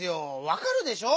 わかるでしょ？